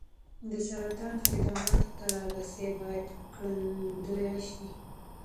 د سرطان خدماتو ته لاسرسی باید ګړندی شي.